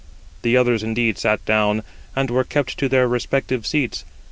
The others indeed sat down, and were kept to their respective seats.